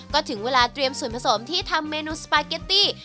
ก็ถึงเวลาเตรียมส่วนผสมที่ทำเมนูสปาเกตตี้